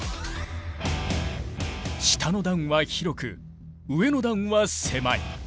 下の段は広く上の段は狭い。